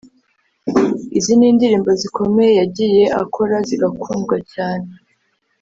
Izindi ni indirimbo zikomeye yagiye akora zigakundwa cyane